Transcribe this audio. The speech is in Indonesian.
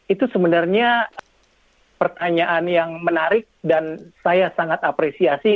itu sebenarnya pertanyaan yang menarik dan saya sangat apresiasi